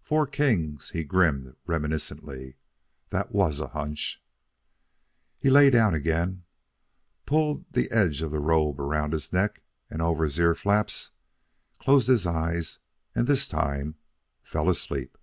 "Four kings!" He grinned reminiscently. "That WAS a hunch!" He lay down again, pulled the edge of the robe around his neck and over his ear flaps, closed his eyes, and this time fell asleep.